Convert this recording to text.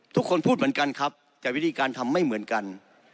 ทุกคนพูดเหมือนกันครับแต่วิธีการทำไม่เหมือนกัน